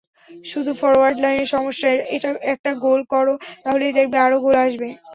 শুধু ফরোয়ার্ড লাইনে সমস্যা, একটা গোল করো, তাহলেই দেখবে আরও গোল আসবে।